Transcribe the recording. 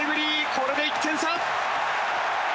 これで１点差。